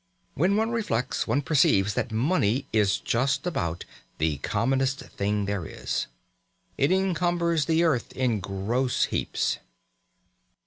When one reflects, one perceives that money is just about the commonest thing there is. It encumbers the earth in gross heaps.